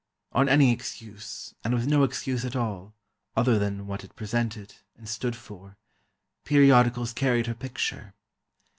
On any excuse, and with no excuse at all, other than what it presented, and stood for, periodicals carried her picture.